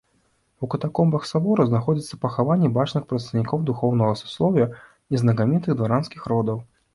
У катакомбах сабора знаходзяцца пахаванні бачных прадстаўнікоў духоўнага саслоўя і знакамітых дваранскіх родаў.